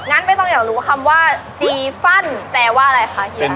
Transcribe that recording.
ไม่ต้องอยากรู้คำว่าจีฟันแปลว่าอะไรคะเฮีย